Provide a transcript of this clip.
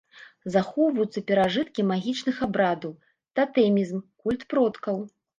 Захоўваюцца перажыткі магічных абрадаў, татэмізм, культ продкаў.